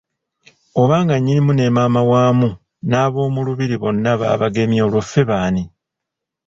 Obanga Nnyinimu ne Maama wamu n'ab'omu lubiri bonna babagemye olwo ffe baani!